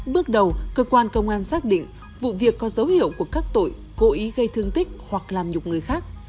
bước đầu cơ quan công an xác định vụ việc có dấu hiệu của các tội cố ý gây thương tích hoặc làm nhục người khác